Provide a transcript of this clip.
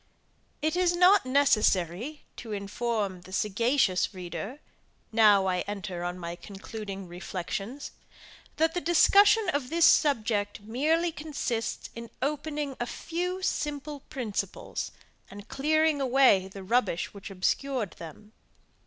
It is not necessary to inform the sagacious reader, now I enter on my concluding reflections, that the discussion of this subject merely consists in opening a few simple principles, and clearing away the rubbish which obscured them.